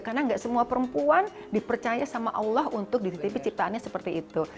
karena gak semua perempuan dipercaya sama allah untuk dititipi ciptaannya seperti itu